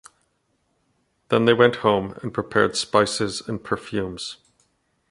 Then they went home and prepared spices and perfumes.